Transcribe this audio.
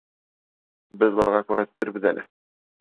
Беҙ уларға күрһәтербеҙ әле!